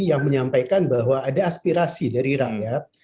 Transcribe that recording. yang menyampaikan bahwa ada aspirasi dari rakyat